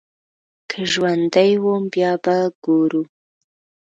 که ژوندی وم بيا به ګورو.